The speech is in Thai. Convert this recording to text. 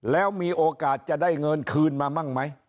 แล้วมีโอกาสจะได้เงินคืนมามั่งไหม